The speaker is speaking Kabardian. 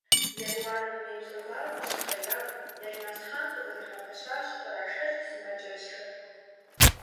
ЕтӀуанэ Дунейпсо зауэр къыщыхъейм, Елмэсхъан къызэригъэпэщащ кърашэкӀ сымаджэщхэр.